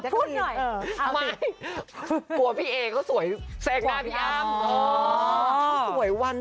กลัวพี่เอก็สวยแสงหน้าพี่อ้ำ